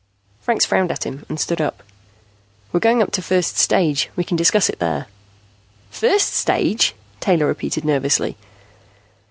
Franks frowned at him and stood up. "We're going up to first stage. We can discuss it there." "First stage?" Taylor repeated nervously.